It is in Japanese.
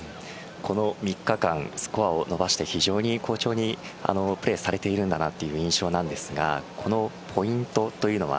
この３日間、スコアを伸ばして非常に好調にプレーされているんだなという印象なんですがこのポイントというのは